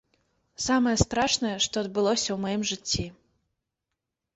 Самае страшнае, што адбылося ў маім жыцці.